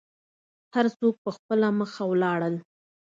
هر څوک په خپله مخه ولاړل.